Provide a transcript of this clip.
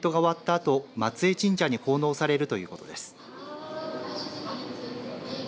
あと松江神社に奉納されるということです。